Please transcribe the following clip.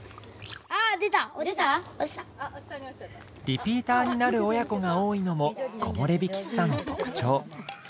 リピーターになる親子が多いのも木漏れ日喫茶の特徴。